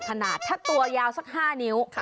ถ้าตัวยาวซัก๕นิ้ว